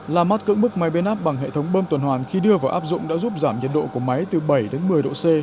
làm mát cưỡng mức máy bế nắp bằng hệ thống bơm tuần hoàn khi đưa vào áp dụng đã giúp giảm nhiệt độ của máy từ bảy một mươi độ c